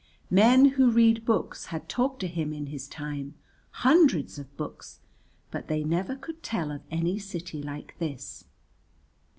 Men who read books had talked to him in his time, hundreds of books, but they never could tell of any city like this.